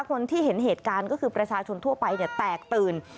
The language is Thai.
คนที่เห็นเหตุการณ์ก็คือประชาชนทั่วไปแตกตื่น